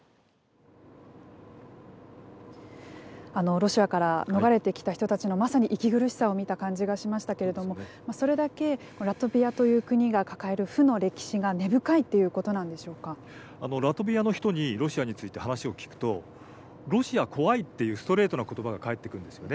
ロシアから逃れてきた人たちのまさに息苦しさを見た感じがしましたけれどもそれだけラトビアという国が抱える負の歴史がラトビアの人にロシアについて話を聞くとロシア怖いというストレートな言葉が返ってくるんですよね。